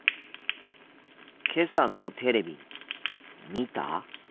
けさのテレビ見た？